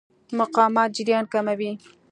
مقاومت جریان کموي.